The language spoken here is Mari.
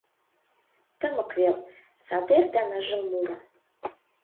Тымык вел, садер да ныжыл муро.